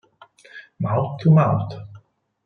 Mouth to Mouth